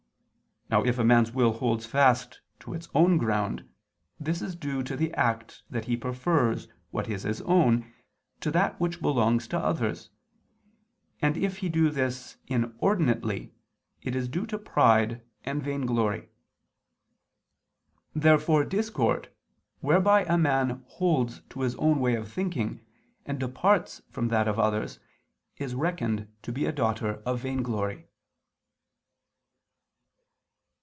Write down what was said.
Now if a man's will holds fast to its own ground, this is due to the act that he prefers what is his own to that which belongs to others, and if he do this inordinately, it is due to pride and vainglory. Therefore discord, whereby a man holds to his own way of thinking, and departs from that of others, is reckoned to be a daughter of vainglory.